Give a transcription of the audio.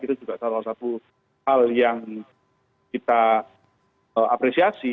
itu juga salah satu hal yang kita apresiasi